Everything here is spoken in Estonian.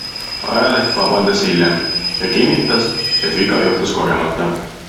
Ajaleht vabandas hiljem ja kinnitas, et viga juhtus kogemata.